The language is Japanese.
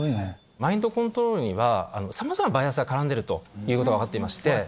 マインドコントロールにはさまざまなバイアスが絡んでいるということが分かっていまして。